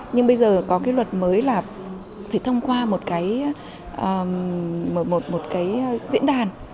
nhưng bây giờ có cái luật mới là phải thông qua một cái diễn đàn